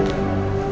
terima kasih ya